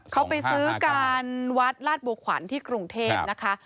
เขาไปซื้อการวัดลาดบัวขวัญที่กรุงเทพนะคะ